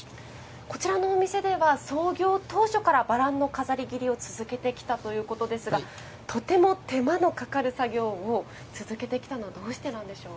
こちらのお店では創業当初からバランの飾り切りを続けてきたということですがとても手間のかかる作業を続けてきたのはどうしてなんでしょう？